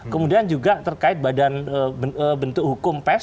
kemudian juga terkait badan bentuk hukum pes